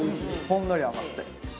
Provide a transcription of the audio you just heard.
ほんのり甘くて。